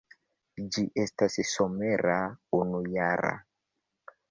Ĝi estas somera unujara.